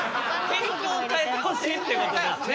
天候をかえてほしいっていうことですね。